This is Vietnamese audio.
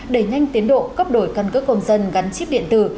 đẩy nhanh tiến độ cấp đổi căn cước công dân gắn chip điện tử